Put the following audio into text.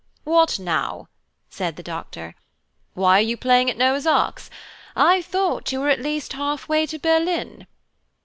"What now?" said the Doctor. "Why are you playing at Noah's arks? I thought you were at least half way to Berlin."